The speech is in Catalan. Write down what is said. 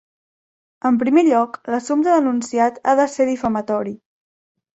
En primer lloc, l'assumpte denunciat ha de ser difamatori.